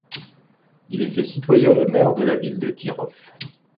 Il est fait citoyen d'honneur de la ville de Kirov.